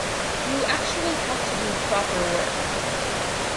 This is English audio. You actually have to do proper work.